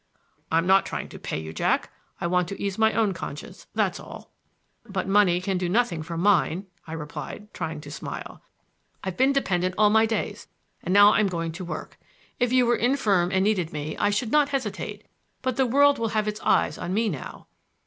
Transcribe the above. "I'm not trying to pay you, Jack. I want to ease my own conscience, that's all." "But money can do nothing for mine," I replied, trying to smile. "I've been dependent all my days, and now I'm going to work. If you were infirm and needed me, I should not hesitate, but the world will have its eyes on me now."